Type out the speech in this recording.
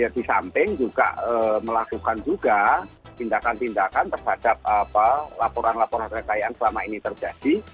di samping juga melakukan juga tindakan tindakan terhadap laporan laporan kekayaan selama ini terjadi